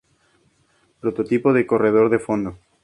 Prototipo de corredor de fondo.